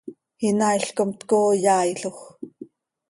Inaail com tcooo yaailoj.